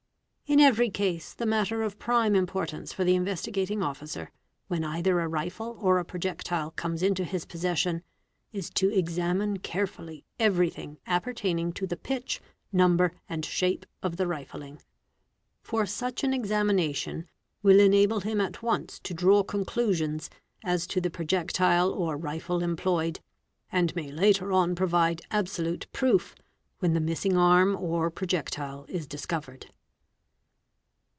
In every case the matter of prime impor: tance for the Investigating Officer when either a rifle or a projectile comes into his possession, is to examine carefully everything appertaining 4 MUZZLE LOADERS ~ 42,7 to the pitch, number, and shape of the rifling, for such an examination will enable him at once to draw conclusions as to the projectile or rifle employed, and may later on provide absolute proof, when the missing arm or projectile is discovered.